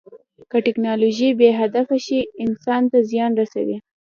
که ټیکنالوژي بې هدفه شي، انسان ته زیان رسوي.